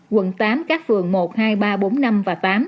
quận tám các phường một hai ba bốn năm và tám